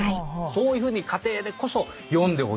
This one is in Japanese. そういうふうな家庭にこそ読んでほしい１冊。